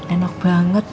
enak banget mbak